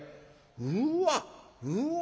うわうわ